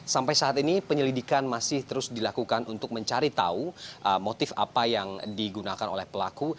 sampai saat ini penyelidikan masih terus dilakukan untuk mencari tahu motif apa yang digunakan oleh pelaku